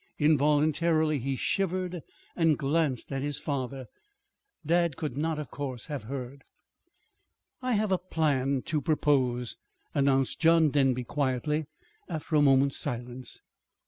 Involuntarily he shivered and glanced at his father dad could not, of course, have heard! "I have a plan to propose," announced John Denby quietly, after a moment's silence.